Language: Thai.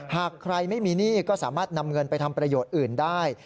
หากใครไม่มีหนี้ก็สามารถนำเงินไปทำประโยชน์อื่นได้